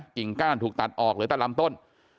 กิ่งก้านถูกตัดออกเหลือแต่ลำต้น